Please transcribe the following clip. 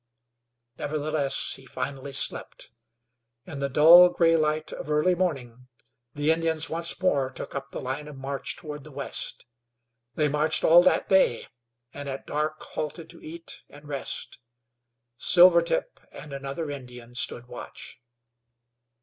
Nevertheless, he finally slept. In the dull gray light of early morning the Indians once more took up the line of march toward the west. They marched all that day, and at dark halted to eat and rest. Silvertip and another Indian stood watch.